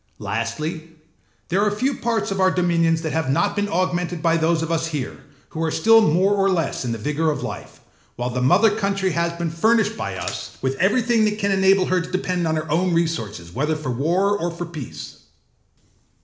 Lastly, there are few parts of our dominions that have not been augmented by those of us here, who are still more or less in the vigour of life; while the mother country has been furnished by us with everything that can enable her to depend on her own resources whether for war or for peace.